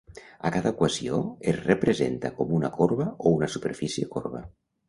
A cada equació es representa com una corba o una superfície corba.